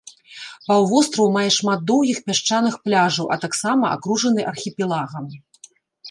Паўвостраў мае шмат доўгіх пясчаных пляжаў, а таксама акружаны архіпелагам.